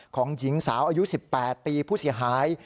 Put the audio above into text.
ของหญิงสาวอายุ๑๘ปีผู้เสียหาย